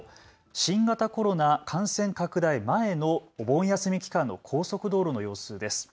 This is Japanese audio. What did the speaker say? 新型コロナ感染拡大前のお盆休み期間の高速道路の様子です。